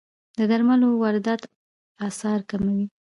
د درملو واردات اسعار کموي.